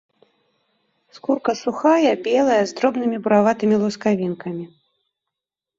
Скурка сухая, белая, з дробнымі бураватымі лускавінкамі.